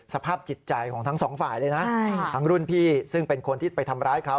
สภาพจิตใจของทั้งสองฝ่ายเลยนะทั้งรุ่นพี่ซึ่งเป็นคนที่ไปทำร้ายเขา